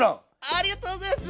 ありがとうございます！